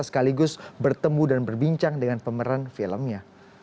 sekaligus bertemu dan berbincang dengan pemeran filmnya